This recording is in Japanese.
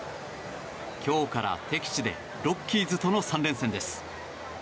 今日から敵地でロッキーズとの３連戦です。